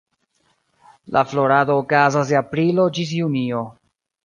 La florado okazas de aprilo ĝis junio.